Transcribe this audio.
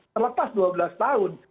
terlepas dua belas tahun